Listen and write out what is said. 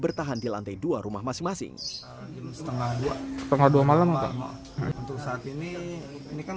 bertahan di lantai dua rumah masing masing setengah dua setengah dua malam untuk saat ini ini kan